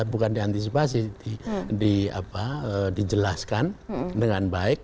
bukan diantisipasi dijelaskan dengan baik